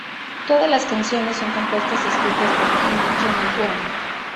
Todas las canciones son compuestas y escritas por Kim Jong-wan.